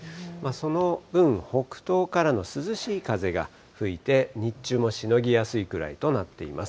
その分、北東からの涼しい風が吹いて、日中もしのぎやすいくらいとなっています。